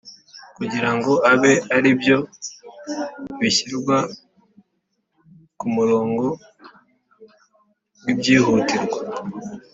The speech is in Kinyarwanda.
kugirango abe ari byo bishyirwa ku murongo w'ibyihutirwa.